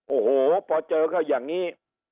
โอ้โหพอเจอเขาอย่างนี้